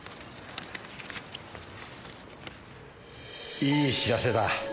いい知らせだ。